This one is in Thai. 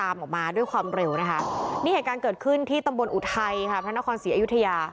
ไม่รู้เลย